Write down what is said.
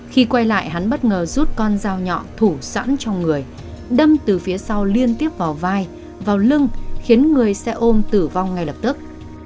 khi quay lại hắn bất ngờ rút con dao nhọ thủ sẵn trong người đâm từ phía sau liên tiếp vào vai vào lưng khiến người xe ôm tử vong ngay lập tức